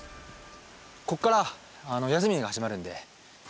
ここから八ツ峰が始まるんで。